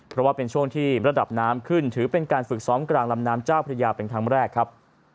เพราะว่าเป็นช่วงที่ระดับน้ำขึ้นถือเป็นการฝึกซ้อมกลางลำน้ำเจ้าพระยาเป็นครั้งแรกครับ